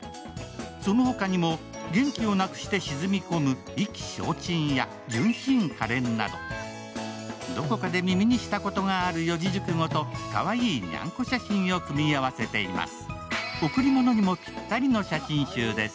そのほかにも、元気をなくして沈み込む「意気消沈」や「純真可憐」などどこかで耳にしたことのある四字熟語とかわいいニャンコ写真を組み合わせています。